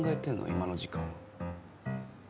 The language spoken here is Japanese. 今の時間は。